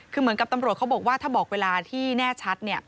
คือเหมือนกับตำรวจเขาบอกว่าถ้าบอกเวลาที่แน่ชัด